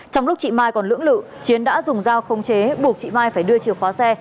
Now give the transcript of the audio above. trong lúc chị mai còn lưỡng lự chiến đã dùng dao không chế buộc chị mai phải đưa chìa khóa xe